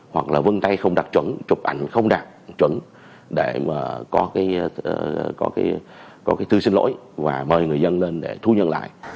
hoặc vân tay không đặt chuẩn chụp ảnh không đặt chuẩn để có thư xin lỗi và mời người dân lên để thu nhận lại